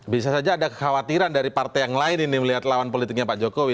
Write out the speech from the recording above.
bisa saja ada kekhawatiran dari partai yang lain ini melihat lawan politiknya pak jokowi